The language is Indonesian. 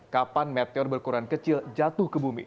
kapan meteor berukuran kecil jatuh ke bumi